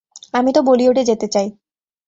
আমি তো বলিউড যেতে চাই।